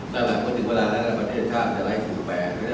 แต่หลังก็ถึงเวลาก็จะระหยัด